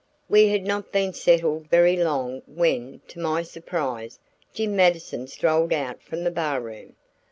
We had not been settled very long when, to my surprise, Jim Mattison strolled out from the bar room.